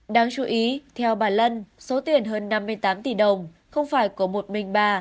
đáng chú ý theo bà lân số tiền hơn năm mươi tám tỷ đồng không phải của một mình bà